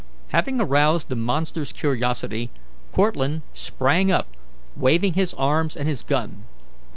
Having aroused the monster's curiosity, Cortlandt sprang up, waving his arms and his gun.